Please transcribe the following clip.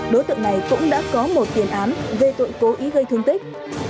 đối tượng này cũng đã có một tiền án về tội cố ý gây thương tích